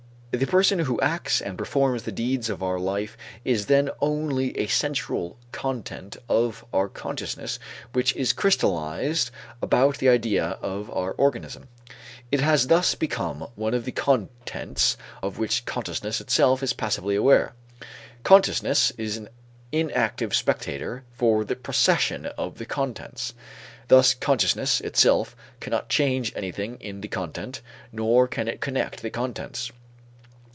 The person who acts and performs the deeds of our life is then only a central content of our consciousness which is crystallized about the idea of our organism. It has thus become one of the contents of which consciousness itself is passively aware. Consciousness is an inactive spectator for the procession of the contents. Thus consciousness itself cannot change anything in the content nor can it connect the contents.